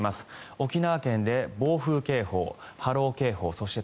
沖縄県で暴風警報、波浪警報そして